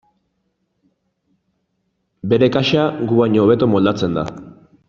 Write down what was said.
Bere kasa gu baino hobeto moldatzen da.